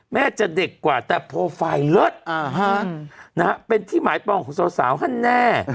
แม่จะเด็กกว่าแต่โปรไฟล์เลิศเป็นที่หมายปองของสาวฮันแน่